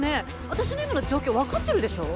私の今の状況わかってるでしょ？